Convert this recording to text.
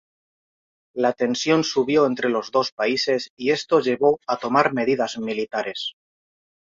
La tensión subió entre los dos países y esto llevó a tomar medidas militares.